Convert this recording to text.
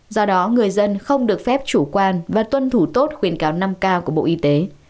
do đó người dân không được phép chủ quan và tuân thủ tốt khuyên cáo năm k của bộ y tế